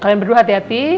kalian berdua hati hati